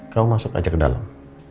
kamu masuk aja ke dalam